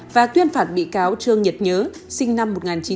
và tuyên phạt bị cáo trương nhật nhớ sinh năm một nghìn chín trăm chín mươi bốn